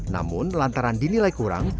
namun lantaran dinilai kurang